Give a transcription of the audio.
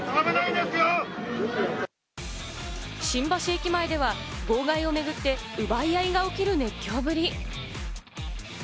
新橋駅前では号外をめぐって奪い合いが起きる熱狂ぶり。